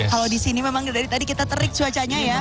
kalau di sini memang dari tadi kita terik cuacanya ya